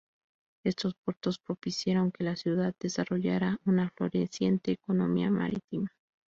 Estos puertos propiciaron que la ciudad desarrollara una floreciente economía marítima.